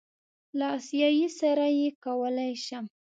له آسیایي سره یې کولی شم.